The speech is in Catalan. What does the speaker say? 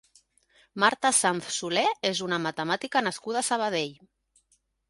Marta Sanz Solé és una matemàtica nascuda a Sabadell.